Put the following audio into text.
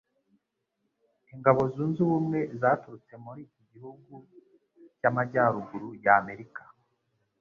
ingabo zunze ubumwe zaturutse muri iki gihugu cy’amajyaruguru ya Amerika